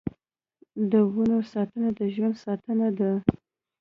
د ونو ساتنه د ژوند ساتنه ده.